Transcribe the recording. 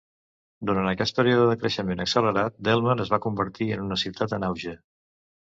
Durant aquest període de creixement accelerat, Delmar es va convertir en una "ciutat en auge".